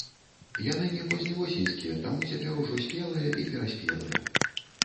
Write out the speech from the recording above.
Яны не позневосеньскія, таму цяпер ужо спелыя і пераспелыя.